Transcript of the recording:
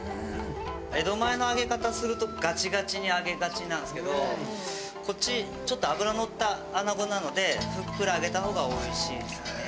江戸前の揚げ方するとガチガチに揚げがちなんですけどこっちちょっと脂乗った穴子なのでふっくら揚げた方がおいしいですね。